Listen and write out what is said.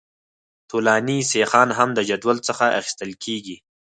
طولاني سیخان هم د جدول څخه اخیستل کیږي